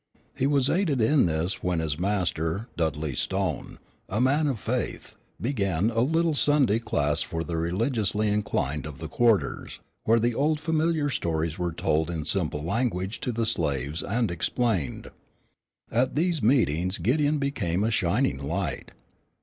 He was aided in this when his master, Dudley Stone, a man of the faith, began a little Sunday class for the religiously inclined of the quarters, where the old familiar stories were told in simple language to the slaves and explained. At these meetings Gideon became a shining light.